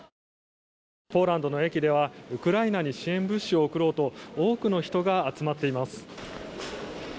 ポーランドの駅ではウクライナに支援物資を送ろうと多くの人が集まっています。